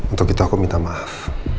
untuk itu aku minta maaf